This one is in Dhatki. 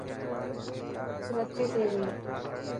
انکي رتي ٿي گئي.